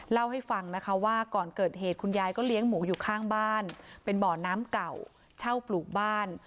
เล่าให้ฟังนะคะว่าก่อนเกิดเหตุคุณยายก็เลี้ยงหมูอยู่ข้างบ้านเป็นบ่อน้ำเก่าเช่าปลูกบ้าน